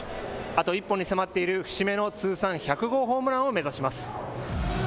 あと１本に迫っている節目の通算１００号ホームランを目指します。